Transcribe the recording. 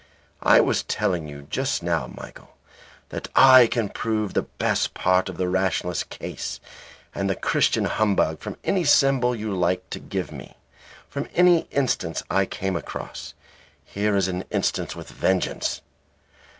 "I was telling you just now, Michael, that I can prove the best part of the rationalist case and the Christian humbug from any symbol you liked to give me, from any instance I came across. Here is an instance with a vengeance.